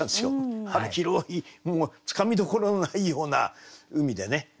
広いもうつかみどころのないような海でね。